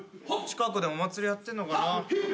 近くでお祭りやってるのかな？